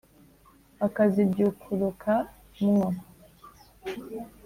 Akazibyukuruka mwo,